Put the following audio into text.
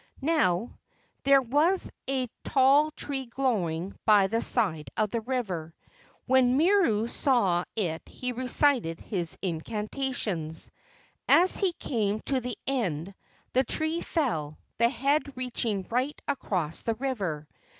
Now there was a tall tree growing by the side of the river. When Miru saw it he recited his incantations. As he came to the end the tree fell, the head reaching right across the river.